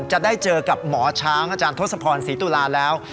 จะได้เจอกับหมอช้างอาจารย์ทศพรศรีตุลาแล้ว